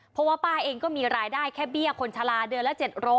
เพราะว่าป้าเองก็มีรายได้แค่เบี้ยคนชะลาเดือนละ๗๐๐